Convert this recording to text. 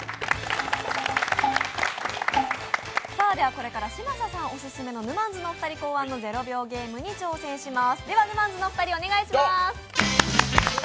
これから嶋佐さんオススメのぬまんづさん考案、「０秒ゲーム」に挑戦します